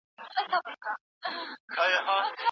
سرلوړي زموږ د تېرو غازیانو میراث دی.